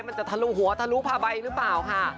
จะทะลุหัวทะลุผ้าใบหรือเปล่าค่ะ